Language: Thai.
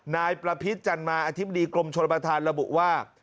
นายประพิษจันมาอธิบดีกรมชนประธานระบุว่า